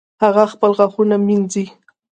هغه خپل غاښونه مینځي